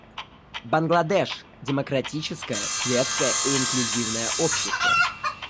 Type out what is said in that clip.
Бангладеш — демократическое, светское и инклюзивное общество.